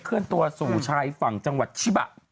เลื่อนตัวสู่ชายฝั่งจังหวัดชิบะ